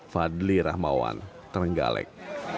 fadli rahmawan terenggalek